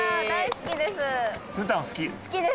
好きです。